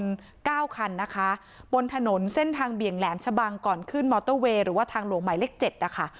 เก้าคันนะคะบนถนนเส้นทางเบี่ยงแหลมชะบังก่อนขึ้นมอเตอร์เวย์หรือว่าทางหลวงหมายเลขเจ็ดนะคะ